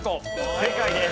正解です。